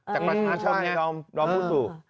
จากประชาชน์คนเนี่ย